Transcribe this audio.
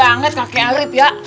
baik banget kakek arief ya